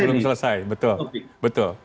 belum selesai betul betul